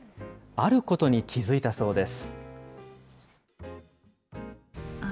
あることに気付いたそうです。